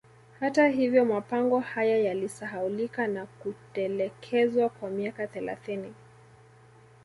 Hata hivyo mapango haya yalisahaulika na kutelekezwa kwa miaka thelathini